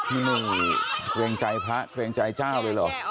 นี่มีเวรใจพระเวรใจเจ้าเลยหรอ